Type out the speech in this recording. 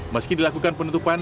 meski dilakukan penutupan